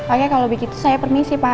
oke kalau begitu saya permisi pak